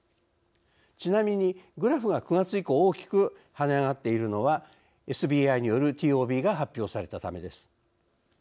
ちなみにグラフが９月以降大きく跳ね上がっているのはＳＢＩによるＴＯＢが発表されたためです。